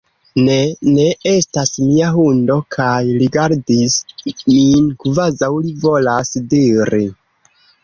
Ne! Ne estas mia hundo! kaj rigardis min kvazaŭ li volas diri